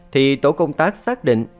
thì tổ công tác xác định